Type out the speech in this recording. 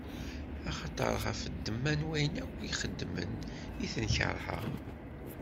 Axaṭer ɣef ddemma n wayen akken i xedmen i ten-keṛheɣ.